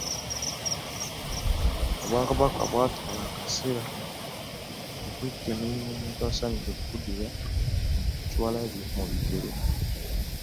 Obwakabaka bwatwala akaseera okwekenneenya omuntu asaanidde okuddira Kyewalabye mu bigere.